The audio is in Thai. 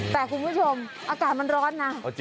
แต่คุณผู้ชมอากาศมันร้อนนะ